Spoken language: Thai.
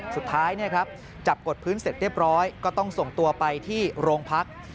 สุดท้ายจับกดพื้นเสร็จเรียบร้อยก็ต้องส่งตัวไปที่โรงพัก